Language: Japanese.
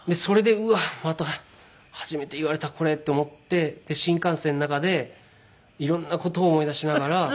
それでうわまた初めて言われたこれって思ってで新幹線の中で色んな事を思い出しながら。